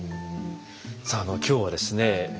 さあ今日はですね